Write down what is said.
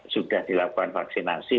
sudah dilakukan vaksinasi